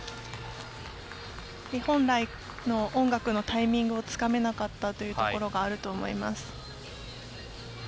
本来の音楽のタイミングをつかめなかったというところがあると思います。